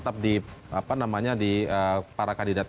apa namanya di para kandidat